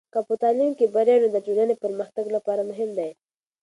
که په تعلیم کې بریا وي، نو دا د ټولنې پرمختګ لپاره مهم دی.